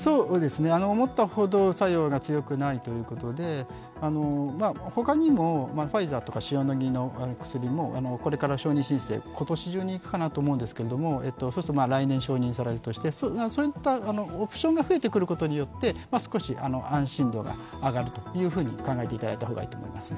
思ったほど作用が強くないということで、他にもファイザーとか塩野義の薬もこれから承認申請、今年中にいくかなと思うんですけれども、そうすると来年承認されるとして、そういったオプションが増えてくることによって少し安心度が上がると考えていただいた方がいいと思いますね。